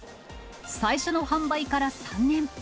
最初の販売から３年。